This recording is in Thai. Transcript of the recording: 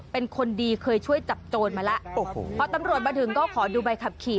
เป็นคนดีเคยช่วยจับโจรมาแล้วโอ้โหพอตำรวจมาถึงก็ขอดูใบขับขี่